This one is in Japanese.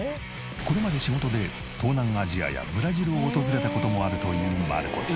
これまで仕事で東南アジアやブラジルを訪れた事もあるというマルコス。